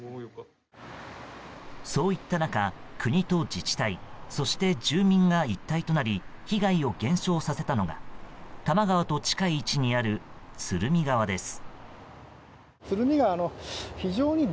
そういった中、国と自治体そして住民が一体となり被害を減少させたのが多摩川と近い位置にある鶴見川です。